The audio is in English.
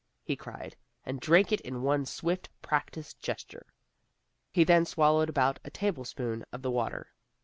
he cried, and drank it in one swift, practiced gesture. He then swallowed about a tablespoonful of the water.